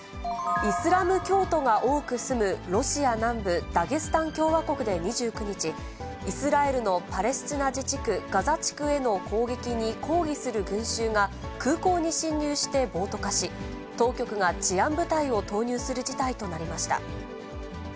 イスラム教徒が多く住むロシア南部ダゲスタン共和国で２９日、イスラエルのパレスチナ自治区ガザ地区への攻撃に抗議する群衆が、空港に侵入して暴徒化し、当局が治安部隊を投入する事態となりました。